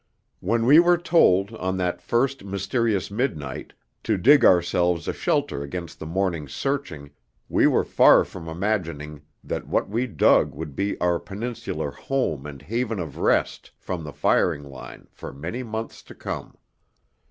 When we were told, on that first mysterious midnight, to dig ourselves a shelter against the morning's 'searching,' we were far from imagining that what we dug would be our Peninsular 'home' and haven of rest from the firing line for many months to come.